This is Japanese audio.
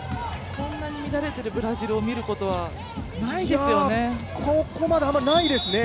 こんなに乱れているブラジルを見ることはないですよね。